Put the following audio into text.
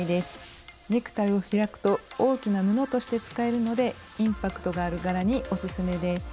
ネクタイを開くと大きな布として使えるのでインパクトがある柄におすすめです。